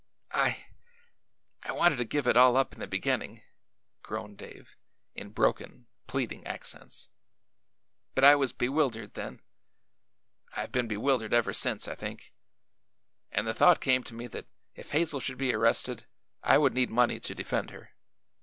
"I I wanted to give it all up in the beginning," groaned Dave, in broken, pleading accents; "but I was bewildered, then I've been bewildered ever since, I think and the thought came to me that if Hazel should be arrested I would need money to defend her.